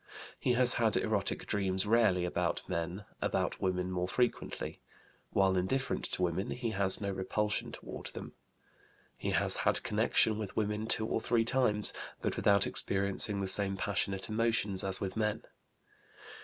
He has had erotic dreams rarely about men, about women more frequently. While indifferent to women, he has no repulsion toward them. He has had connection with women two or three times, but without experiencing the same passionate emotions as with men.